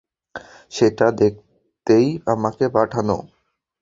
সেটা দেখতেই আমাকে পাঠানো।